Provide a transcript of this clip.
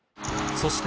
そして